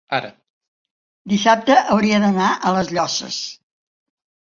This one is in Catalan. dissabte hauria d'anar a les Llosses.